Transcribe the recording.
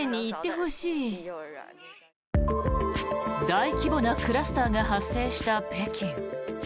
大規模なクラスターが発生した北京。